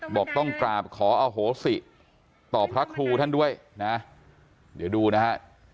บอกต้องกราบขออโหสิต่อพระครูท่านด้วยนะเดี๋ยวดูนะฮะ